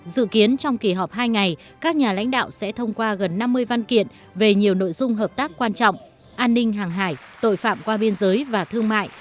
dự kiến trong kỳ họp hai ngày các nhà lãnh đạo sẽ thông qua gần năm mươi văn kiện về nhiều nội dung hợp tác quan trọng an ninh hàng hải tội phạm qua biên giới và thương mại